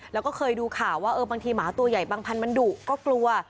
แล้วก็เคยดูข่าวว่าบางทีหมาตัวใหญ่บางพันธุมันดุก็กลัว